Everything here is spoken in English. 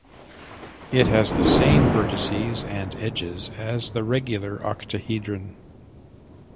It has the same vertices and edges as the regular octahedron.